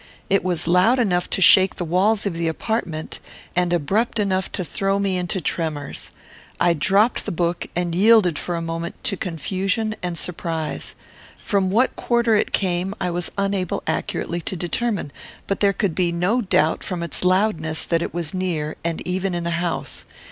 It was loud enough to shake the walls of the apartment, and abrupt enough to throw me into tremors. I dropped the book and yielded for a moment to confusion and surprise. From what quarter it came, I was unable accurately to determine; but there could be no doubt, from its loudness, that it was near, and even in the house.